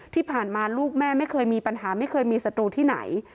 ที่ผ่านมาลูกแม่ไม่เคยมีปัญหาไม่เคยมีศัตรูที่ไหน